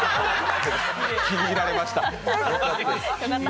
気に入られました。